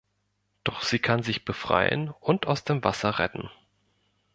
Doch sie kann sich befreien und aus dem Wasser retten.